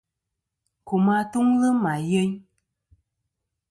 Kum atuŋlɨ ma yeyn.